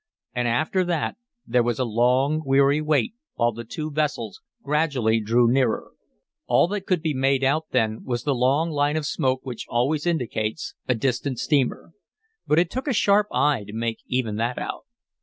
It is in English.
And after that there was a long weary wait while the two vessels gradually drew nearer. All that could be made out then was the long line of smoke which always indicates a distant steamer. But it took a sharp eye to make even that out.